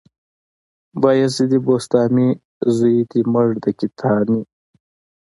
بايزيده بسطامي، زوى دې مړ د کتاني